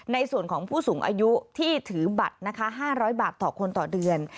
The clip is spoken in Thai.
ในส่วนของผู้สูงอายุที่ถือบัตรนะคะ๕๐๐บาทต่อคนต่อเดือน